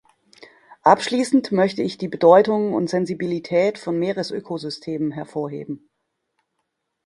Abschließend möchte ich die Bedeutung und Sensibilität von Meeresökosystemen hervorheben.